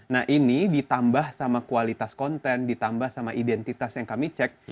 nah ini ditambah sama kualitas konten ditambah sama identitas yang kami cek